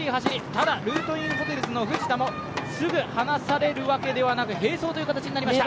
ただルートインホテルズの藤田もすぐ離されるわけではなく並走という形になりました。